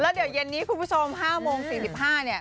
แล้วเดี๋ยวเย็นนี้คุณผู้ชม๕โมง๔๕เนี่ย